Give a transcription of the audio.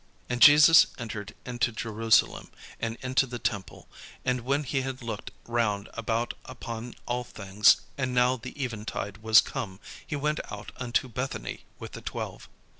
And Jesus entered into Jerusalem, and into the temple; and when he had looked round about upon all things, and now the eventide was come, he went out unto Bethany with the twelve.